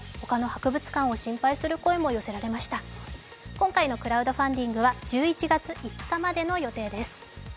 今回のクラウドファンディングは１１月５日までの予定です。